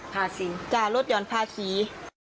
ภาษีจ้าลดหย่อนภาษี